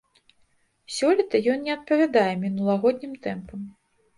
Сёлета ён не адпавядае мінулагоднім тэмпам.